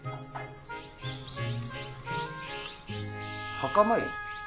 墓参り？